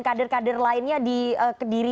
kader kader lainnya di kediri